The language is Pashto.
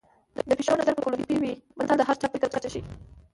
د پيشو نظر به کولپۍ وي متل د هر چا د فکر کچه ښيي